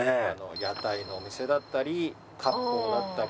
屋台のお店だったり割烹だったり。